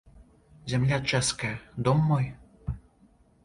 Зямля чэшская, дом мой?